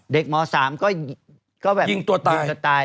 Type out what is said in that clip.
เด็กม๓ก็ยิงตัวตาย